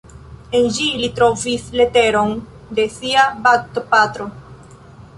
En ĝi li trovis leteron de sia baptopatro.